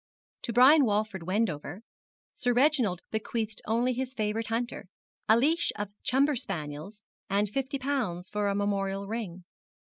To Brian Walford Wendover, Sir Reginald bequeathed only his favourite hunter, a leash of chumber spaniels, and fifty pounds for a memorial ring.